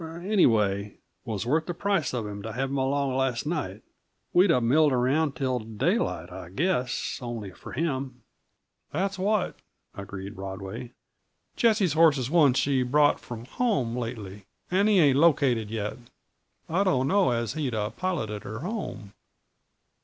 Anyway, was worth the price of him to have him along last night. We'd have milled around till daylight, I guess, only for him." "That's what," agreed Rodway. "Jessie's horse is one she brought from home lately, and he ain't located yet; I dunno as he'd 'a' piloted her home.